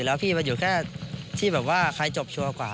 แล้วพี่มันอยู่แค่ที่แบบว่าใครจบชัวร์กว่า